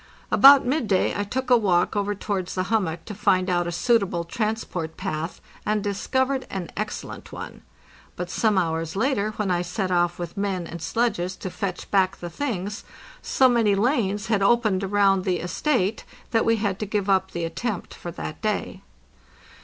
About midday I took a walk over towards the hummock to find out a suitable transport path, and discovered an excellent one. But some hours later, when I set off with men and sledges to fetch back the things, so many lanes had opened around the ''estate"' that we had to give up the attempt for that day.